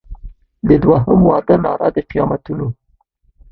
د دوهم واده ناره د قیامتونو